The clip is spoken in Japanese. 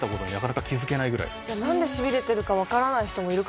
じゃあなんで痺れてるかわからない人もいるかも。